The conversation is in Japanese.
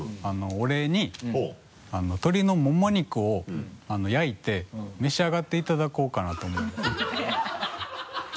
お礼に鶏のモモ肉を焼いて召し上がっていただこうかなと思うんですけども。